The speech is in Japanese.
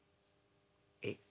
「えっ？